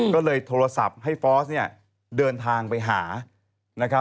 ก็เลยโทรศัพท์ให้ฟอสเดินทางไปหา